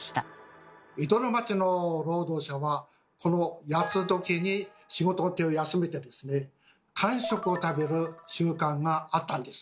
江戸の町の労働者はこの八つ刻に仕事の手を休めて間食を食べる習慣があったんです。